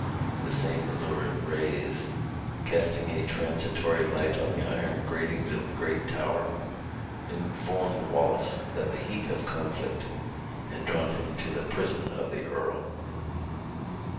The same lurid rays, casting a transitory light on the iron gratings of the great tower, informed Wallace that the heat of conflict had drawn him to the prison of the earl.